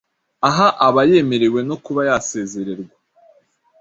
Aha aba yemerewe no kuba yasezererwa